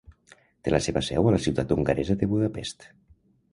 Té la seva seu a la ciutat hongaresa de Budapest.